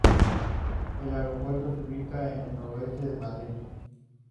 El aeropuerto se ubica en el noreste de Madrid.